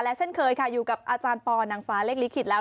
เช่นเคยค่ะอยู่กับอาจารย์ปอนางฟ้าเลขลิขิตแล้ว